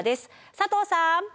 佐藤さん！